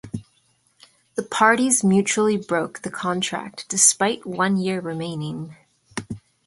The parties mutually broke the contract despite one year remaining.